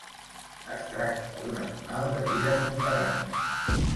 Es tracta d'un animal de vida subterrània.